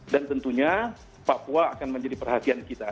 dan tentunya papua akan menjadi perhatian kita